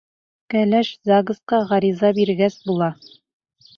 Кәләш загсҡа ғариза биргәс була.